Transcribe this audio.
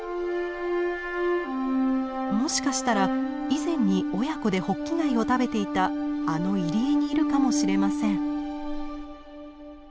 もしかしたら以前に親子でホッキ貝を食べていたあの入り江にいるかもしれません。